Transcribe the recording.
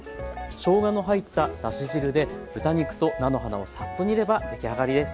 しょうがの入っただし汁で豚肉と菜の花をサッと煮れば出来上がりです。